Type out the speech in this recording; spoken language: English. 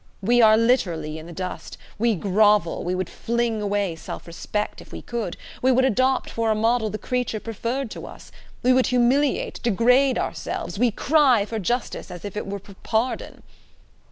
We are literally in the dust, we grovel, we would fling away self respect if we could; we would adopt for a model the creature preferred to us; we would humiliate, degrade ourselves; we cry for justice as if it were for pardon